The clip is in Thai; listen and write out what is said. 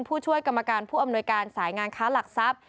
ผู้ช่วยกรรมการผู้อำนวยการสายงานค้าหลักทรัพย์